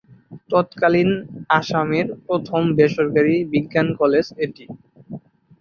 তৎকালীন আসামের প্রথম বেসরকারি বিজ্ঞান কলেজ এটি।